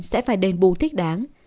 sẽ phải đền bù thích đáng